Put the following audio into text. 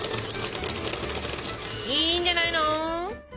いいんじゃないの？ＯＫ。